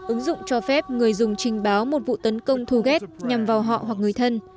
ứng dụng cho phép người dùng trình báo một vụ tấn công thu ghét nhằm vào họ hoặc người thân